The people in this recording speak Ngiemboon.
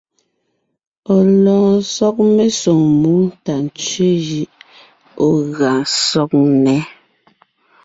Ɔ̀ lɔɔn sɔg mesoŋ mú tà ntsẅé jʉʼ ɔ̀ gʉa sɔg nnɛ́.